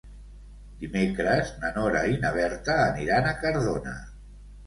Dimecres na Nora i na Berta aniran a Cardona.